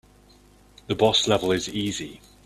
The boss level is easy.